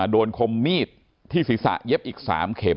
คมมีดที่ศีรษะเย็บอีก๓เข็ม